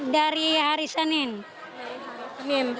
dari hari senin